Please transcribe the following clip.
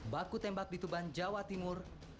baku tembak di tuban jawa timur